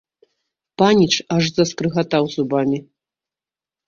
Паніч аж заскрыгатаў зубамі.